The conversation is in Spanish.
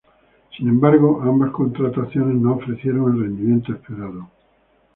Sin embargo, ambas contrataciones no ofrecieron el rendimiento esperado.